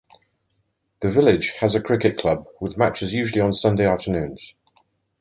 The village has a cricket club with matches usually on Sunday afternoons.